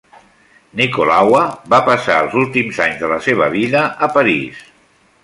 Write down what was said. Nicolaua va passar els últims anys de la seva vida a París.